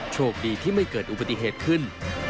โชคดีที่ไม่เกิดอุบัติเหตุขึ้น